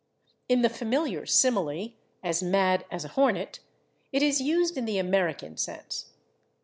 In the familiar simile, /as mad as a hornet/, it is used in the American sense.